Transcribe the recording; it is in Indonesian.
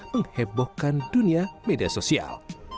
menghebohkan dunia media sosial